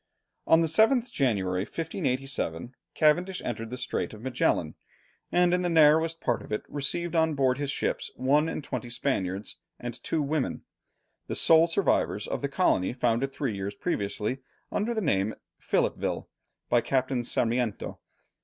On the 7th January, 1587, Cavendish entered the Strait of Magellan, and in the narrowest part of it received on board his ships one and twenty Spaniards and two women, the sole survivors of the colony founded three years previously, under the name of Philippeville, by Captain Sarmiento.